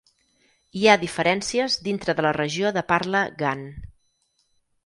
Hi ha diferències dintre de la regió de parla Gan.